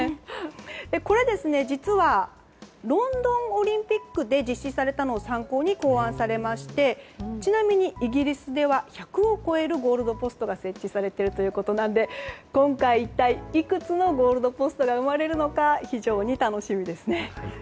これ、実はロンドンオリンピックで実施されたのを参考に考案されましてちなみにイギリスでは１００を超えるゴールドポストが設置されているということなので今回、一体いくつのゴールドポストが生まれるのか非常に楽しみですね。